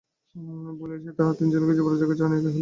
বলিয়া সে তাহার তিন ছেলেকে যুবরাজের কাছে আনিয়া কহিল, প্রণাম করো।